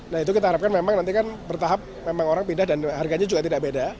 nah itu kita harapkan memang nanti kan bertahap memang orang pindah dan harganya juga tidak beda